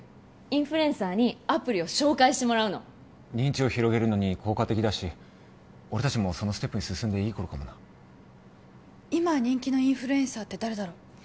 インフルエンサーにアプリを紹介してもらうの認知を広げるのに効果的だし俺達もそのステップに進んでいい頃かもな今人気のインフルエンサーって誰だろう？